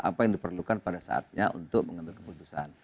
apa yang diperlukan pada saatnya untuk mengambil keputusan